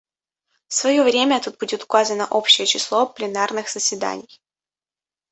В свое время тут будет указано общее число пленарных заседаний.